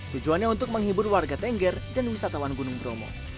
tujuannya untuk menghibur warga tengger dan wisatawan gunung bromo